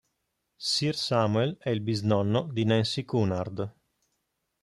Sir Samuel è il bisnonno di Nancy Cunard.